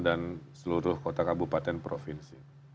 dan seluruh kota kabupaten provinsi